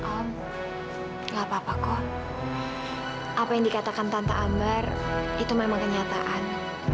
om nggak apa apa kok apa yang dikatakan tante ambar itu memang kenyataan